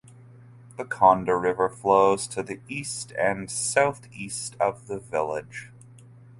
The Konda River flows to the east and southeast of the village.